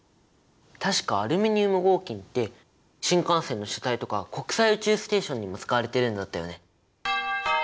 確かアルミニウム合金って新幹線の車体とか国際宇宙ステーションにも使われてるんだったよね？